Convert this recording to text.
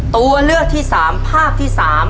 ตัวเลือกที่๓ภาพที่๓